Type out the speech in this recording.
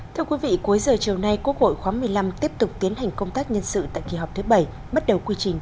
thưa quý vị cuối giờ chiều nay quốc hội khóa một mươi năm tiếp tục tiến hành công tác nhân sự tại kỳ họp thứ bảy bắt đầu quy trình